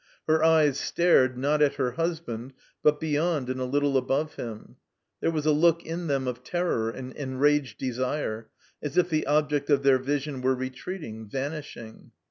Her eyes stared, not at her husband, but beyond and a little above him; there was a look in them of terror and enraged desire, as if the object of their vision were retreating, vanishing.